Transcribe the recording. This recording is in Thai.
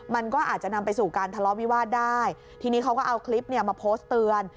มันก็อาจจะนำไปสู่การทะเลาะวิวาสได้ทีนี้เขาก็เอาคลิปเนี่ยมาโพสต์เตือน